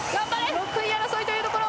６位争いというところ。